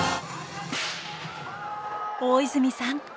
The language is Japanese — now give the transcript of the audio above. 大泉さん